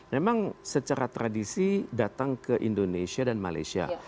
memang secara tradisi datang ke indonesia dan malaysia